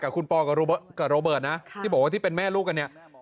กับคุณปอลกับโรเบิร์ตนะที่บอกว่าที่เป็นแม่ลูกกันเนี่ย